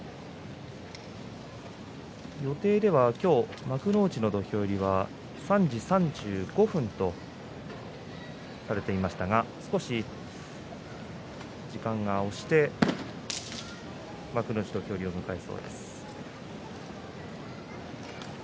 予定では今日、幕内の土俵入りは３時３５分とされていましたが少し時間が押して幕内土俵入りを迎えそうです。